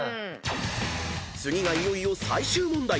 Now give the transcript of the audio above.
［次がいよいよ最終問題］